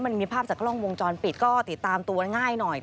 มันมีภาพจากกล้องวงจรปิดก็ติดตามตัวง่ายหน่อย